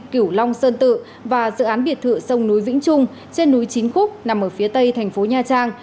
cửu long sơn tự và dự án biệt thự sông núi vĩnh trung trên núi chính khúc nằm ở phía tây thành phố nha trang